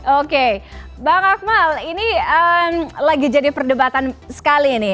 oke bang akmal ini lagi jadi perdebatan sekali nih